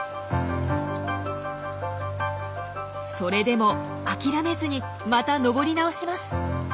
それでも諦めずにまた登り直します。